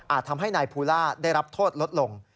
ทำให้นายภูล่าได้รับโทษลดลง